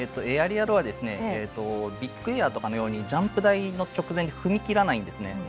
エアリアルはビッグエアとかのように、ジャンプ台の直前に踏み切らないんですね。